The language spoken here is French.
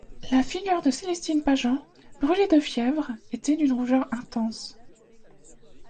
La figure de Célestine Pageant, brûlée de fièvre, était d'une rougeur intense.